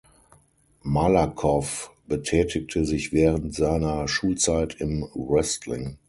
Malakow betätigte sich während seiner Schulzeit im Wrestling.